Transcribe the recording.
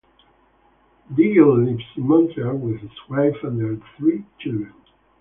Daigle lives in Montreal with his wife and their three children.